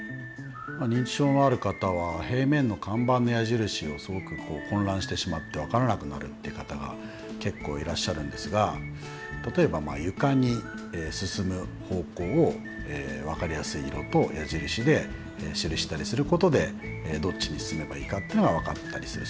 認知症のある方は平面の看板の矢印をすごく混乱してしまって分からなくなるっていう方が結構いらっしゃるんですが例えば床に進む方向を分かりやすい色と矢印で記したりすることでどっちに進めばいいかっていうのが分かったりする。